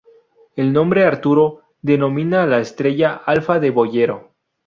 El nombre Arturo denomina a la estrella Alfa de Boyero.